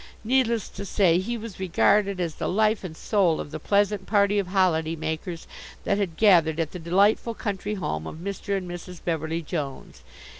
Needless to say, he was regarded as the life and soul of the pleasant party of holiday makers that had gathered at the delightful country home of Mr. and Mrs. Beverly Jones.